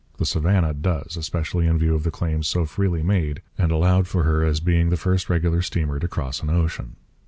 The Savannah does, especially in view of the claims so freely made and allowed for her as being the first regular steamer to cross an ocean.